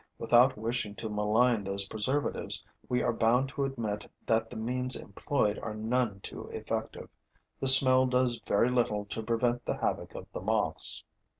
Without wishing to malign those preservatives, we are bound to admit that the means employed are none too effective. The smell does very little to prevent the havoc of the moths.